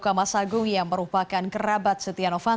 kondisi yang terjadi adalah selama dua tahun